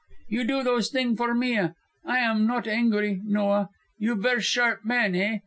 You do those thing' for me a. I am note angri, no a. You ver' sharp man, eh?